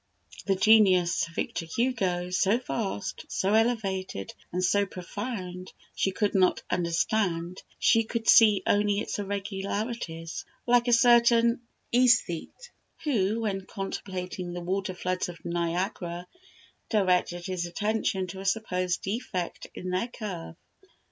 The genius of Victor Hugo, so vast, so elevated, and so profound, she could not understand; she could see only its irregularities, like a certain "æsthete" who, when contemplating the water floods of Niagara, directed his attention to a supposed defect in their curve!